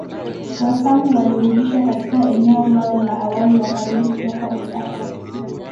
Wasangu walirudishwa katika eneo lao la awali wakarudi kutoka Usafwa